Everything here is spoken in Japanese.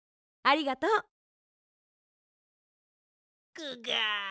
ありがとう。グガ。